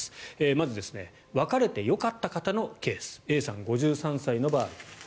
まず、別れてよかった方のケースＡさん、５３歳の場合。